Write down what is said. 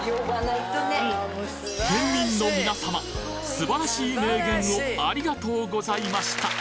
素晴らしい名言をありがとうございました